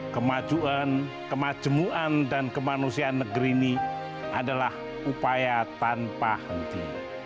kemajuan kemajemuan dan kemanusiaan negeri ini adalah upaya tanpa henti